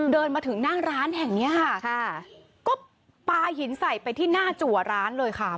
เดินมาถึงหน้าร้านแห่งเนี้ยค่ะก็ปลาหินใส่ไปที่หน้าจัวร้านเลยค่ะ